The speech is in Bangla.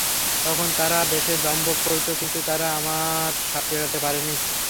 তখন তারা দেশে দম্ভ করত, কিন্তু তারা আমার শাস্তি এড়াতে পারেনি।